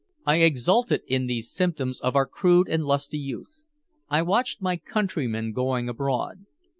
I exulted in these symptoms of our crude and lusty youth. I watched my countrymen going abroad.